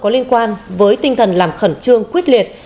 có liên quan với tinh thần làm khẩn trương quyết liệt